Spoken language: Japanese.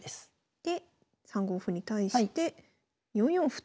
で３五歩に対して４四歩と。